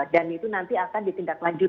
dan itu nanti akan ditindak lanjut